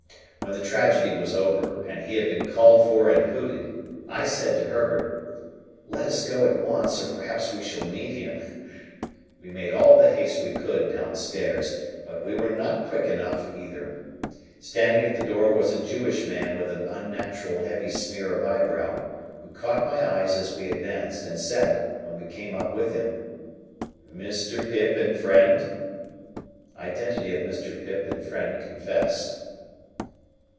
When the tragedy was over, and he had been called for and hooted, I said to Herbert, "Let us go at once, or perhaps we shall meet him." We made all the haste we could downstairs, but we were not quick enough either. Standing at the door was a Jewish man with an unnatural heavy smear of eyebrow, who caught my eyes as we advanced, and said, when we came up with him,— "Mr. Pip and friend?" Identity of Mr. Pip and friend confessed.